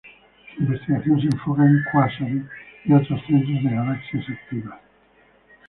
Su investigación se enfoca en cuásares y otros centros de galaxias activas.